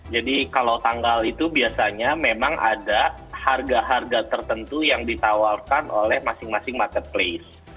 jadi kalau tanggal itu biasanya memang ada harga harga tertentu yang ditawarkan oleh masing masing marketplace